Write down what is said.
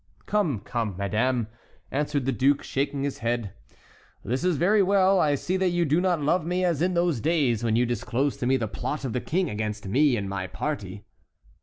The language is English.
"Come, come, madame," answered the duke, shaking his head, "this is very well; I see that you do not love me as in those days when you disclosed to me the plot of the King against me and my party."